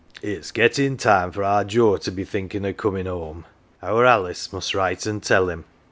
234 "OUR JOE" " It's gettin' time for our Joe to be thinkin' o' comin' home. Our Alice must write an"* tell him.